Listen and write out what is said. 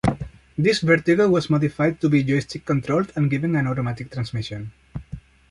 This Vertigo was modified to be joystick-controlled and given an automatic transmission.